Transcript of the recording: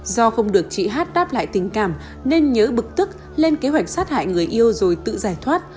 do không được chị hát đáp lại tình cảm nên nhớ bực tức lên kế hoạch sát hại người yêu rồi tự giải thoát